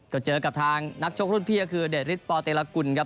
ก็เจอกับทางนักชกรุ่นพี่ก็คือเดชฤทธปเตรกุลครับ